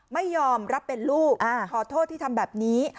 ไม่ยอมรับเป็นลูกขอโทษที่ทำแบบนี้